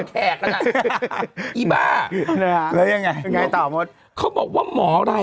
ข้อมูลของเหยื่อเขาบอกว่า